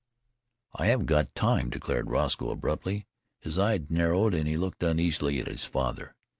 "I haven't got time," declared Roscoe abruptly. His eyes narrowed and he looked uneasily at his father.